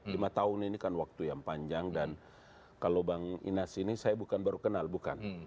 lima tahun ini kan waktu yang panjang dan kalau bang inas ini saya bukan baru kenal bukan